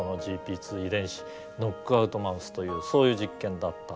２遺伝子ノックアウトマウスというそういう実験だったわけですね。